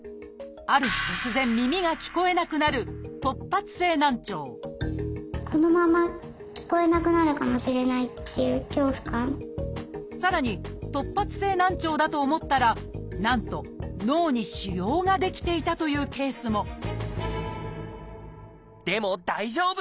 ある日突然耳が聞こえなくなるさらに突発性難聴だと思ったらなんと脳に腫瘍が出来ていたというケースもでも大丈夫！